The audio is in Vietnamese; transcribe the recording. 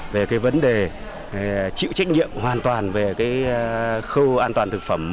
về cái vấn đề chịu trách nhiệm hoàn toàn về khâu an toàn thực phẩm